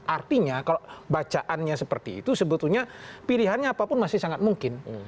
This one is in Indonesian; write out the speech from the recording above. artinya kalau bacaannya seperti itu sebetulnya pilihannya apapun masih sangat mungkin